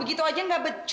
aduh aduh aduh